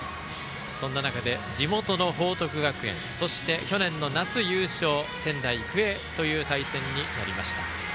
そんな中で地元の報徳学園そして、去年の夏優勝仙台育英という対戦になりました。